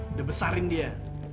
udah besarin dia